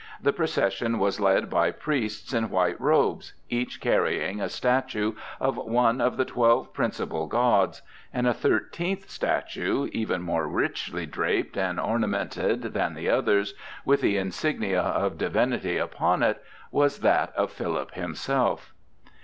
The procession was led by priests in white robes, each carrying a statue of one of the twelve principal gods; and a thirteenth statue, even more richly draped and ornamented than the others, with the insignia of divinity upon it, was that of Philip himself.